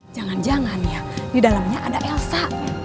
jangan jangan ya di dalamnya ada elsa